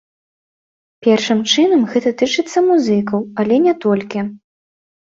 Першым чынам, гэта тычыцца музыкаў, але не толькі.